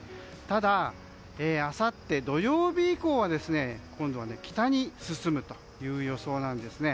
ただ、あさって土曜日以降は今度は北に進むという予想なんです。